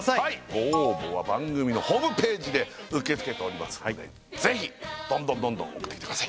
ご応募は番組のホームページで受け付けておりますのでぜひどんどんどんどん送ってきてください